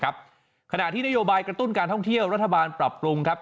ขณะที่นโยบายกระตุ้นการท่องเที่ยวรัฐบาลปรับปรุงครับ